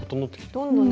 どんどんね